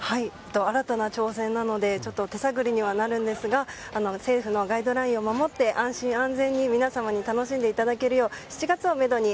新たな挑戦なので手探りにはなるんですが政府のガイドラインを守って安心・安全に皆様に楽しんでいただけるよう７月をめどに